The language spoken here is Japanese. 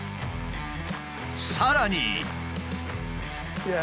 さらに。